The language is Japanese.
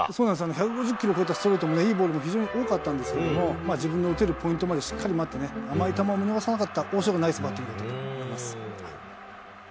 １５０キロ超えたストレートもいいボールが非常に多かったんですけれども、自分の打てるポイントまでしっかり待ってね、甘い球を見逃さなかった、大城のナイスバッティングだと思います。